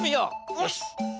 よし。